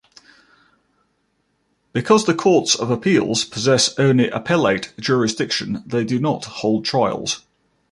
Because the courts of appeals possess only appellate jurisdiction, they do not hold trials.